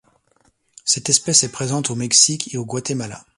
Cette espèce est présente au Mexique et au Guatemala.